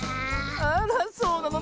あらそうなの？